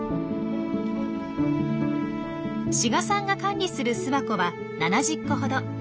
志賀さんが管理する巣箱は７０個ほど。